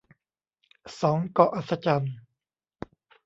สอง เกาะอัศจรรย์